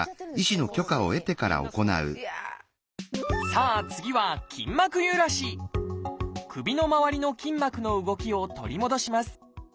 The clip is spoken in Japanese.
さあ次は首のまわりの筋膜の動きを取り戻します